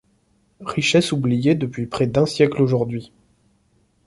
Richesse oubliée depuis près d'un siècle aujourd'hui.